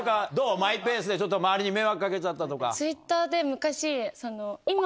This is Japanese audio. マイペースで周りに迷惑掛けちゃったとか。